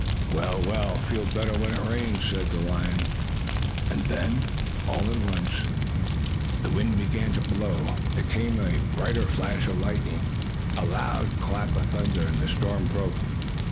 "Well, we'll feel better when it rains," said the lion. And then, all at once, the wind began to blow, there came a brighter flash of lightning, a loud clap of thunder, and the storm broke.